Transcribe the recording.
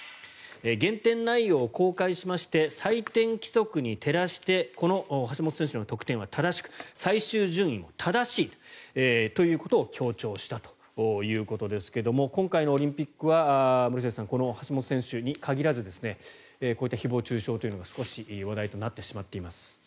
減点内容を公開しまして採点規則に照らしてこの橋本選手の得点は正しく最終順位も正しいということを強調したということですが今回のオリンピックは森末さん、この橋本選手に限らずこういった誹謗・中傷というのが少し話題になってしまっています。